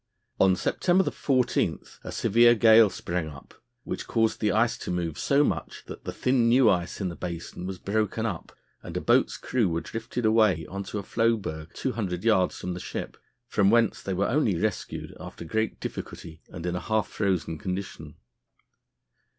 On September 14 a severe gale sprang up, which caused the ice to move so much that the thin new ice in the basin was broken up and a boat's crew were drifted away on to a floe berg 200 yards from the ship, from whence they were only rescued after great difficulty and in a half frozen condition.